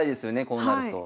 こうなると。